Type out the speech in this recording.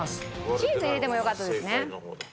チーズ入れてもよかったですね。